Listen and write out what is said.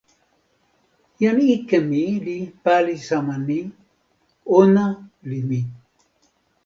jan ike mi li pali sama ni: ona li mi.